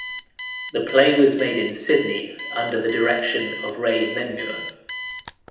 The play was made in Sydney under the direction of Ray Menmuir.